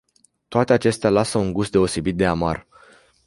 Toate acestea lasă un gust deosebit de amar.